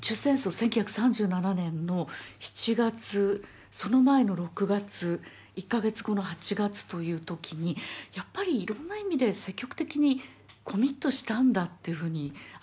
１９３７年の７月その前の６月１か月後の８月という時にやっぱりいろんな意味で積極的にコミットしたんだというふうに改めて思いました。